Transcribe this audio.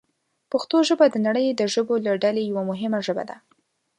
پښتو ژبه د نړۍ د ژبو له ډلې یوه مهمه ژبه ده.